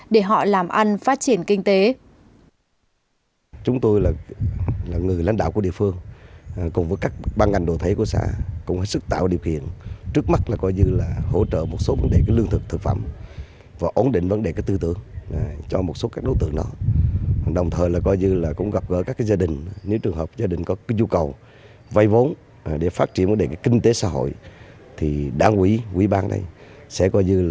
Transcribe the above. để họ làm ăn phát triển kinh tế